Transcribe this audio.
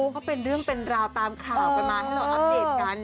เขาเป็นเรื่องเป็นราวตามข่าวกันมาให้เราอัปเดตกัน